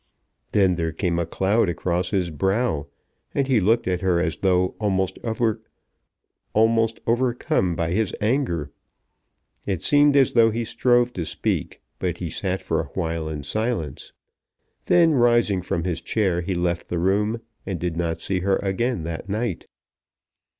Then there came a cloud across his brow, and he looked at her as though almost overcome by his anger. It seemed as though he strove to speak; but he sat for a while in silence. Then rising from his chair he left the room, and did not see her again that night.